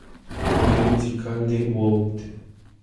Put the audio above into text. El video musical de "Would?